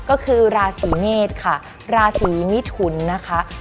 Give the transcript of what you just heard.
ก็คือราศีเมษค่ะราศีมิถุนนะคะ